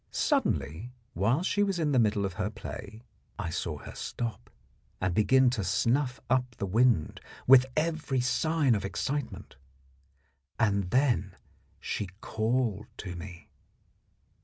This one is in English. Suddenly, while she was in the middle of her play, I saw her stop and begin to snuff up the wind with every sign of excitement. Then she called to me.